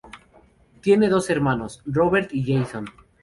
Tiene dos hermanos, Robert y Jason.